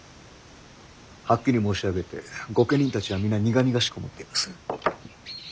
はっきり申し上げて御家人たちは皆苦々しく思っています。